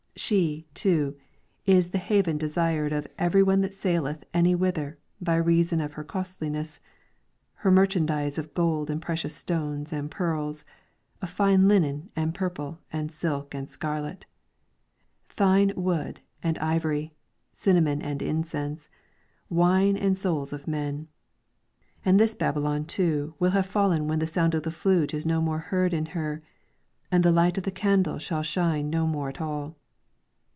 She, too, is the haven desired of ' everyone that saileth any whither' by reason of her costliness, her merchandise of gold and precious stones and pearls, of fine linen and purple and silk and scarlet, thyine wood and ivory, cinnamon and incense, wine and souls of men ; and this Babylon too will have fallen when the sound of the flute is no more heard in her, and ' the light of a candle shall shine no more at all.'